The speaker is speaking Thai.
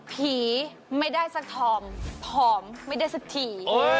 ผีไม่ได้สักธอมผอมไม่ได้สักที